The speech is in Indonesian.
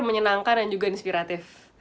menyenangkan dan juga inspiratif